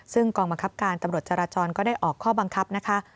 ซึ่งกองบังคับการตำรวจจราจรก็ได้ออกข้อบังคับนะคะ